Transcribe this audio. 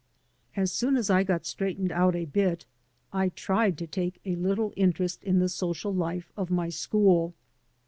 As soon as I got straightened out a bit, I tried to take a little interest in the social life of my school.